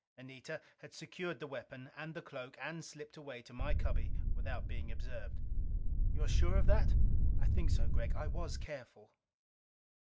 Anita had secured the weapon and the cloak and slipped away to my cubby without being observed. "You're sure of that?" "I think so, Gregg. I was careful."